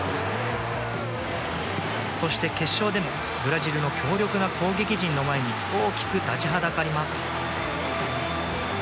そして決勝でもブラジルの強力な攻撃陣の前に大きく立ちはだかります。